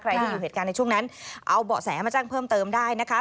ที่อยู่เหตุการณ์ในช่วงนั้นเอาเบาะแสมาแจ้งเพิ่มเติมได้นะคะ